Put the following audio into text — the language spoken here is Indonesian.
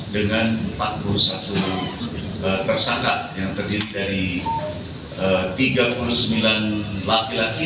dengan empat puluh satu tersangka yang terdiri dari tiga puluh sembilan laki laki